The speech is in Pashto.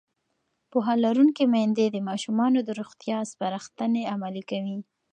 پوهه لرونکې میندې د ماشومانو د روغتیا سپارښتنې عملي کوي.